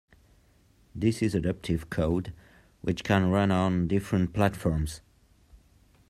This is adaptive code which can run on different platforms.